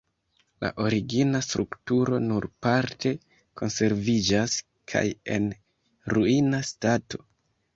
La origina strukturo nur parte konserviĝas kaj en ruina stato.